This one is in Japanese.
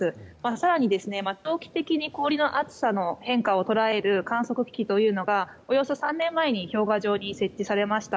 更に長期的に氷の厚さの変化を捉える観測機器というのがおよそ３年前に氷河上に設置されました。